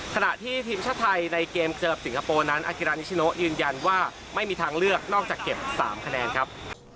ขณะที่ทีมชาติไทยในเกมเจอกับสิงคโปร์นั้นอากิรานิชโนยืนยันว่าไม่มีทางเลือกนอกจากเก็บ๓คะแนนครับ